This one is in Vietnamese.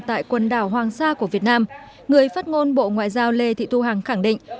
tại quần đảo hoàng sa của việt nam người phát ngôn bộ ngoại giao lê thị thu hằng khẳng định